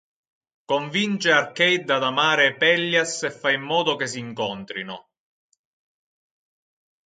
Convince Arcade ad amare Pellias e fa in modo che si incontrino.